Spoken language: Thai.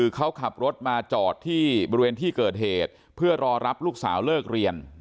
เจ้าขับรถมาจอดที่เกิดเหตุเพื่อรอรับลูกสาวเลิกเรียน